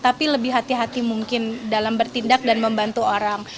tapi lebih hati hati mungkin dalam bertindak dan membantu orang